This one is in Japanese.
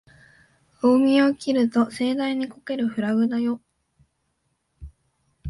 大見得を切ると盛大にこけるフラグだよ